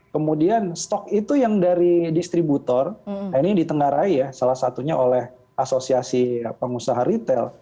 kemudian stok itu yang dari distributor ini ditengarai ya salah satunya oleh asosiasi pengusaha retail